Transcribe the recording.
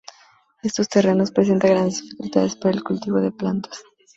Estos terrenos presentan grandes dificultades para el cultivo de plantas.